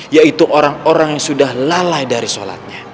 yaitu orang orang yang sudah lalai dari sholatnya